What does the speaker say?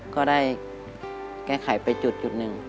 ก็ได้ไกลไปจุดนึง